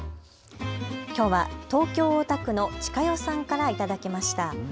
きょうは東京大田区のちかよさんから頂きました。